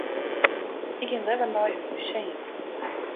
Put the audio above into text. Ik gean leaver nei in museum.